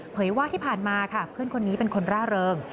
ว่าที่ผ่านมาค่ะเพื่อนคนนี้เป็นคนร่าเริง